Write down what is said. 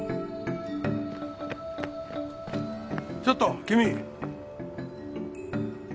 ちょっと君！